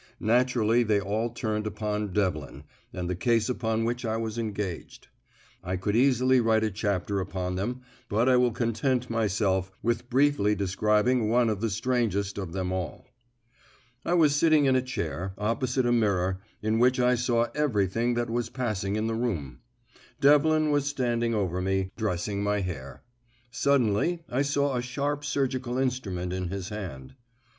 Naturally they all turned upon Devlin and the case upon which I was engaged. I could easily write a chapter upon them, but I will content myself with briefly describing one of the strangest of them all. I was sitting in a chair, opposite a mirror, in which I saw everything that was passing in the room. Devlin was standing over me, dressing my hair. Suddenly I saw a sharp surgical instrument in his hand.